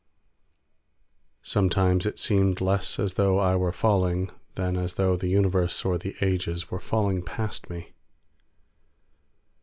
Sometimes it seemed less as though I were falling, than as though the universe or the ages were falling past me.